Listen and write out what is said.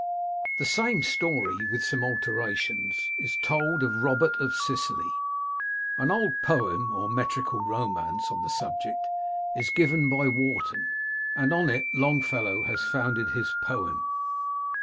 The same story, with some alterations, is told of Robert of Sicily. An old poem or metrical romance on the subject is given by Warton ; and on it Long fellow has founded his poem.